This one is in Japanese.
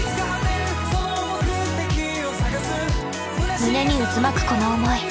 胸に渦巻くこの思い。